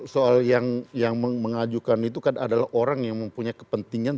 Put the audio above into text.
soal yang mengajukan itu kan adalah orang yang mempunyai kepentingan